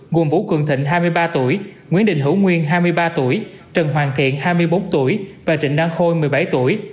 gồm vũ cường thịnh hai mươi ba tuổi nguyễn đình hữu nguyên hai mươi ba tuổi trần hoàng thiện hai mươi bốn tuổi và trịnh đăng khôi một mươi bảy tuổi